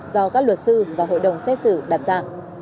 do các luật sư và hội đồng xét xử đặt ra